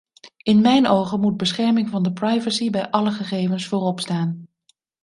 In mijn ogen moet bescherming van de privacy bij alle gegevens vooropstaan.